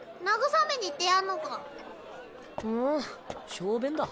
小便だ。